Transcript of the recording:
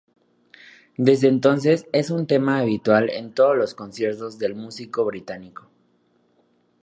Desde entonces es un tema habitual en todos los conciertos del músico británico.